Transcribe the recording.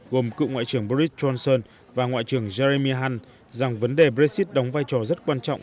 gồm cựu ngoại trưởng boris johnson và ngoại trưởng jeremy hunt rằng vấn đề brexit đóng vai trò rất quan trọng